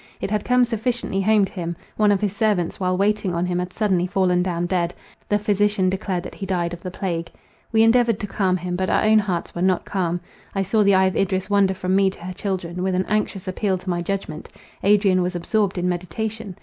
It had come sufficiently home to him. One of his servants, while waiting on him, had suddenly fallen down dead. The physician declared that he died of the plague. We endeavoured to calm him—but our own hearts were not calm. I saw the eye of Idris wander from me to her children, with an anxious appeal to my judgment. Adrian was absorbed in meditation.